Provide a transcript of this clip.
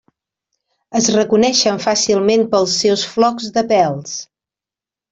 Es reconeixen fàcilment pels seus flocs de pèls.